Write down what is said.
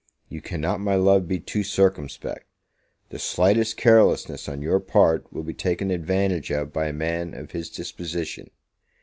You cannot, my love, be too circumspect; the slightest carelessness on your part will be taken advantage of by a man of his disposition.